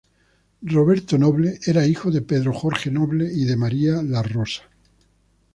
Roberto Noble era hijo de Pedro Jorge Noble y de María Larrosa.